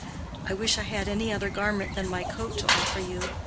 "I wish I had any other garment than my coat to offer you.